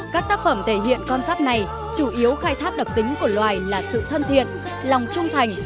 các tác phẩm thể hiện con giáp này chủ yếu khai thác đặc tính của loài là sự thân thiện lòng trung thành